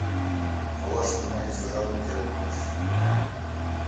Колаш нимо йӧсыжат уке улмаш...